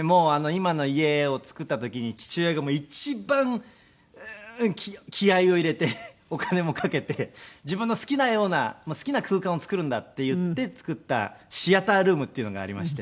今の家を作った時に父親が一番気合を入れてお金もかけて「自分の好きなような好きな空間を作るんだ」と言って作ったシアタールームっていうのがありまして。